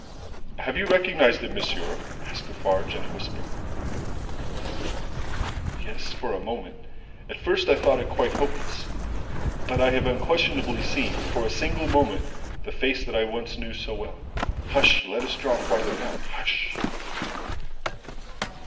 "Have you recognised him, monsieur?" asked Defarge in a whisper. "Yes; for a moment. At first I thought it quite hopeless, but I have unquestionably seen, for a single moment, the face that I once knew so well. Hush! Let us draw further back. Hush!"